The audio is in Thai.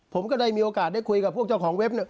ผมก็ได้มีโอกาสได้คุยกับพวกเจ้าของเว็บ